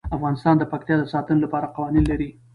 افغانستان د پکتیا د ساتنې لپاره قوانین لري.